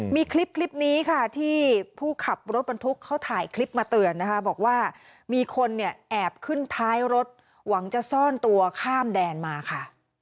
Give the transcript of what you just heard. มีคลิปนี้ค่ะที่ผู้ขับรถบรรทุกเขาถ่ายคลิปมาเตือนนะคะบอกว่ามีคนเนี่ยแอบขึ้นท้ายรถหวังจะซ่อนตัวข้ามแดนมาค่ะ